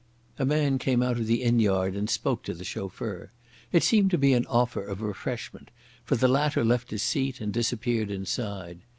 A man came out of the inn yard and spoke to the chauffeur. It seemed to be an offer of refreshment, for the latter left his seat and disappeared inside.